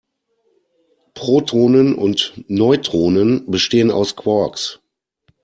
Protonen und Neutronen bestehen aus Quarks.